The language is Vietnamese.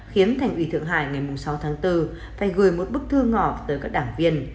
khiến thành ủy thượng hải ngày sáu tháng bốn phải gửi một bức thư ngỏ tới các đảng viên